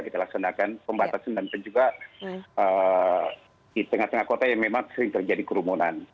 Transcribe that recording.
kita laksanakan pembatasan dan juga di tengah tengah kota yang memang sering terjadi kerumunan